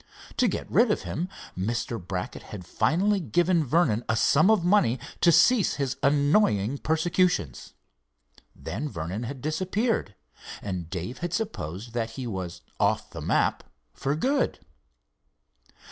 To get rid of him, Mr. Brackett had finally given Vernon a sum of money to cease his annoying persecutions. Then Vernon had disappeared, and Dave had supposed that he was "off the map" for good.